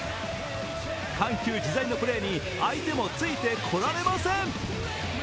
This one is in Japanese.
緩急自在のプレーに相手もついてこられません。